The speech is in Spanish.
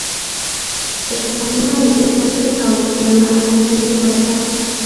Se recomienda especial precaución a las mujeres embarazadas.